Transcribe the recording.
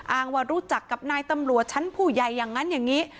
อ้างว่ารู้จักกับนายตำรวจชั้นผู้ใหญ่อย่างนั้นอย่างนี้